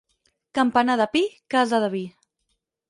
Campanar de pi, casa de vi.